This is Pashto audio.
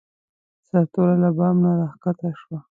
سرتوره له بام نه راکښته شوه.